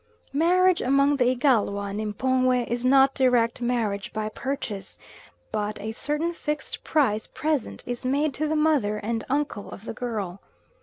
Marriage among the Igalwa and M'pongwe is not direct marriage by purchase, but a certain fixed price present is made to the mother and uncle of the girl.